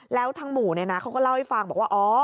แล้วทางหมู่เขาก็เล่าให้ฟังบอกว่า